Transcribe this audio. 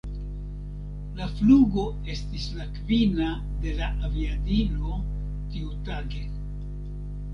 La flugo estis la kvina de la aviadilo tiutage.